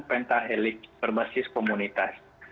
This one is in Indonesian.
pentahelik termasis komunitas